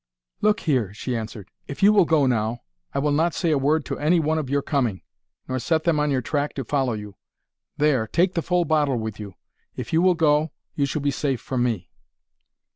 "Look here," she answered. "If you will go now, I will not say a word to any one of your coming, nor set them on your track to follow you. There, take the full bottle with you. If you will go, you shall be safe from me."